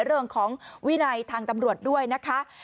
เรื่องของวินัยทางตำรวจด้วยนะคะ